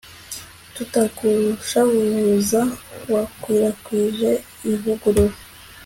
tutagushavuza, wakwirakwije ivugurura